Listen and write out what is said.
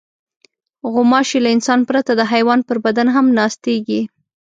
غوماشې له انسان پرته د حیوان پر بدن هم ناستېږي.